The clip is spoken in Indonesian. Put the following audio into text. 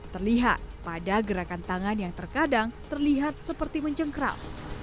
terlihat pada gerakan tangan yang terkadang terlihat seperti mencengkram